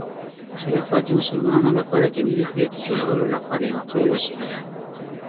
خلافت د مسلمانانو لپاره د ملي هویت د جوړولو لپاره یوه قوي وسیله ده.